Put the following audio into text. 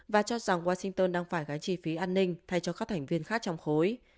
và cho rằng washington đang phải gánh chi phí an ninh thay cho các thành viên khác trong khối